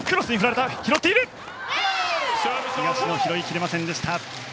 東野、拾いきれませんでした。